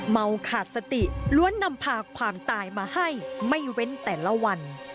เมาขาดสติล้วนนำพาความตายมาให้ไม่เว้นแต่ละวัน